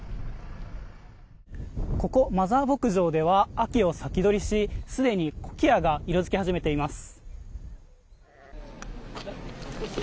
ここ、マザー牧場では秋を先取りしすでに、コキアが色づき始めています。